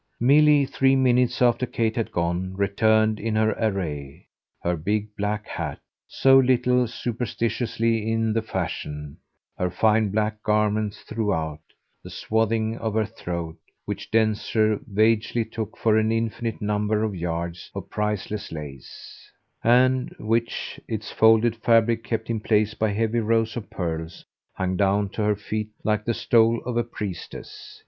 Milly, three minutes after Kate had gone, returned in her array her big black hat, so little superstitiously in the fashion, her fine black garments throughout, the swathing of her throat, which Densher vaguely took for an infinite number of yards of priceless lace, and which, its folded fabric kept in place by heavy rows of pearls, hung down to her feet like the stole of a priestess.